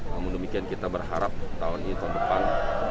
namun demikian kita berharap tahun ini tahun depan